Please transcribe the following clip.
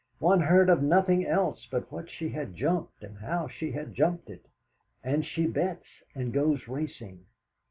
One heard of nothing else but what she had jumped and how she had jumped it; and she bets and goes racing.